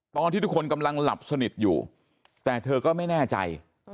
ตอนที่ทุกคนกำลังหลับสนิทอยู่แต่เธอก็ไม่แน่ใจ